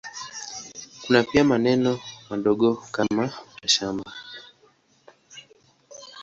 Kuna pia maeneo madogo kwa mashamba.